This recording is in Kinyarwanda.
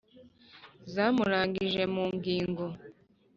zamurangije mu ngingo